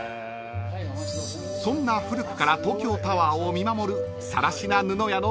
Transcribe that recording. ［そんな古くから東京タワーを見守る］